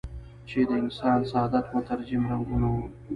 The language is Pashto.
چې د انسان سعادت مترجم رنګونه وو.